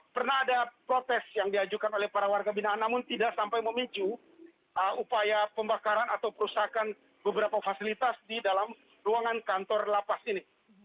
pernah ada protes yang diajukan oleh para warga binaan namun tidak sampai memicu upaya pembakaran atau perusakan beberapa fasilitas di dalam ruangan kantor lapas ini